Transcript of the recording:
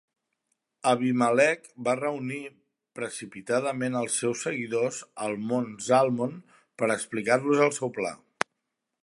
Abimelec va reunir precipitadament als seus seguidors al mont Zalmon per explicar-los el seu pla.